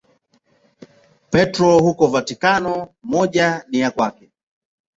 Petro huko Vatikano, moja ni ya kwake.